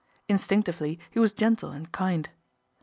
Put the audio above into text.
Instinctively he was gentle and kind.